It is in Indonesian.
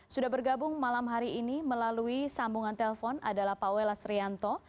sudah bergabung malam hari ini melalui sambungan telpon adalah pawella srianto